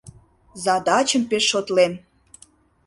Задачым пеш шотлем.